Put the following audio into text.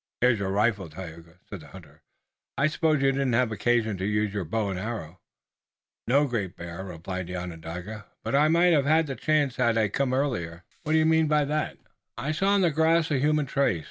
"Here's your rifle, Tayoga," said the hunter; "I suppose you didn't have an occasion to use your bow and arrows." "No, Great Bear," replied the Onondaga, "but I might have had the chance had I come earlier." "What do you mean by that?" "I saw on the grass a human trace.